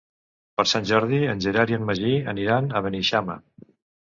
Per Sant Jordi en Gerard i en Magí aniran a Beneixama.